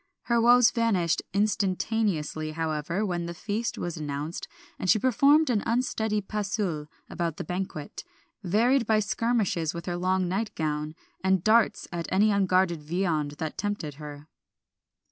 Her woes vanished instantaneously, however, when the feast was announced, and she performed an unsteady pas seul about the banquet, varied by skirmishes with her long night gown and darts at any unguarded viand that tempted her.